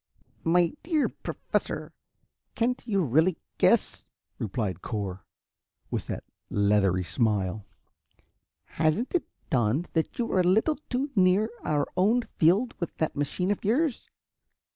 "My dear Professor, can't you really guess?" replied Cor, with that leathery smile. "Hasn't it dawned that you were a little too near our own field with that machine of yours?